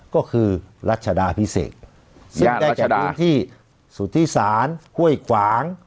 ก็คือรัชดาพิเศษซึ่งได้จากพื้นที่สุธิศาลห้วยขวาง